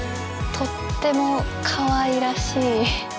とってもかわいらしい。